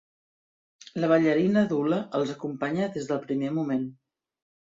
La ballarina d'hula els acompanya des del primer moment.